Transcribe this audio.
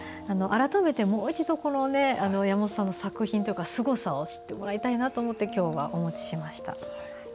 改めてもう一度、山本さんの作品すごさを知ってもらいたいと思って今日はお持ちしました。